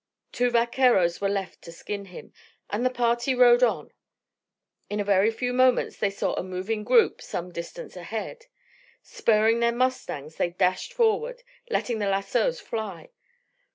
Two vaqueros were left to skin him, and the party rode on. In a very few moments they saw a moving group some distance ahead. Spurring their mustangs they dashed forward, letting the lassos fly.